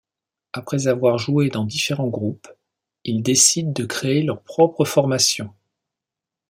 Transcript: Après avoir joué dans différents groupes, ils décident de créer leur propre formation.